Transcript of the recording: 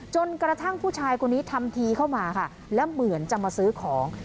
จนกระทั่งผู้ชายคนนี้ทำทีเข้ามาค่ะแล้วเหมือนจะมาซื้อของ